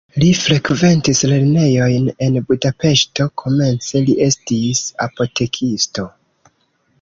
Li frekventis lernejojn en Budapeŝto, komence li estis apotekisto.